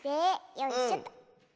よいしょと。